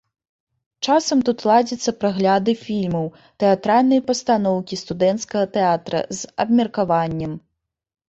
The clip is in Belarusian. Часам тут ладзяцца прагляды фільмаў, тэатральныя пастаноўкі студэнцкага тэатра з абмеркаваннем.